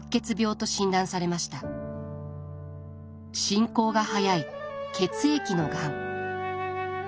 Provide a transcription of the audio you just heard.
進行が速い血液のがん。